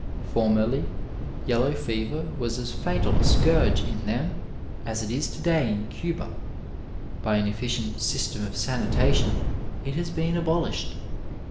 For merly jdlow fever was as fatal a scoarge in them as it is to daj in Cuba. By an efficient system of sanitation it has been abolished.